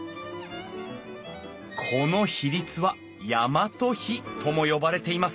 この比率は大和比とも呼ばれています。